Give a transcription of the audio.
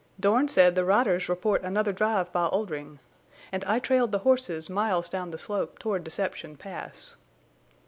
"Dorn said the riders report another drive by Oldring.... And I trailed the horses miles down the slope toward Deception Pass."